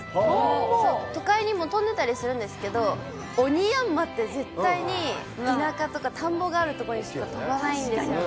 都会にも飛んでたりするんですけど、オニヤンマって、絶対に田舎とか田んぼがある所にしか飛ばないんですよね。